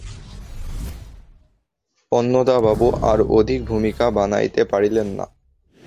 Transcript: অন্নদাবাবু আর অধিক ভূমিকা বানাইতে পারিলেন না।